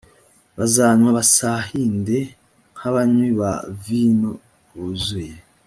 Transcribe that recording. bazanywa basahinde nk abanywi ba vino buzure